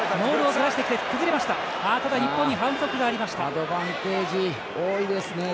アドバンテージ多いですね。